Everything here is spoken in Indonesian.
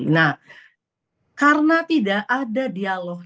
nah karena tidak ada dialog